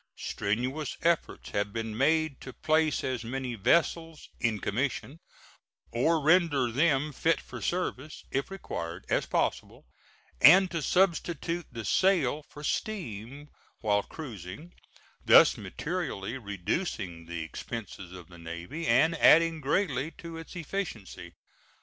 Strenuous efforts have been made to place as many vessels "in commission," or render them fit for service if required, as possible, and to substitute the sail for steam while cruising, thus materially reducing the expenses of the Navy and adding greatly to its efficiency.